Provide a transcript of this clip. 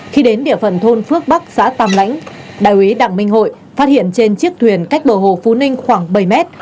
khi đến địa phận thôn phước bắc xã tam lãnh đại úy đặng minh hội phát hiện trên chiếc thuyền cách bờ hồ phú ninh khoảng bảy mét